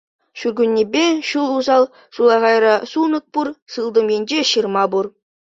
Ҫуркуннепе ҫул усал, сулахайра сулнӑк пур, сылтӑм енче ҫырма пур.